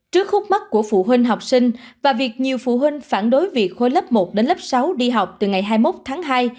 trước khúc mắt của phụ huynh học sinh và việc nhiều phụ huynh phản đối việc khối lớp một đến lớp sáu đi học từ ngày hai mươi một tháng hai